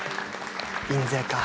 印税か。